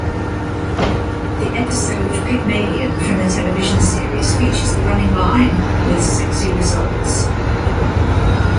The episode "Pygmoelian" from the television series features the running line "...with sexy results".